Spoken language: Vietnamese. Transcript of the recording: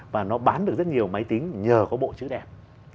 và nó bán được rất nhiều máy tính nhờ có bộ chữ đẹp